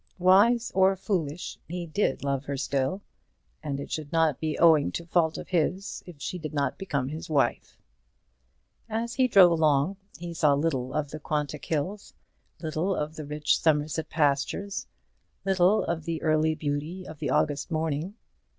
Wise or foolish, he did love her still; and it should not be owing to fault of his if she did not become his wife. As he drove along he saw little of the Quantock hills, little of the rich Somersetshire pastures, little of the early beauty of the August morning.